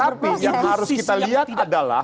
tapi yang harus kita lihat adalah